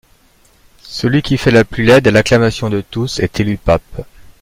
Celui qui fait la plus laide, à l’acclamation de tous, est élu pape.